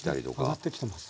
上がってきてます。